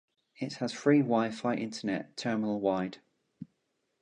It has free wi-fi internet terminal-wide.